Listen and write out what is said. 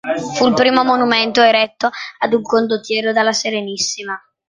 Fu il primo monumento eretto ad un condottiero dalla Serenissima.